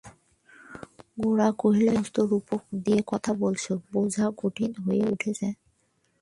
গোরা কহিল, এ-সমস্ত তুমি রূপক দিয়ে কথা বলছ, বোঝা কঠিন হয়ে উঠছে।